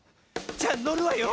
じゃあのるわよ。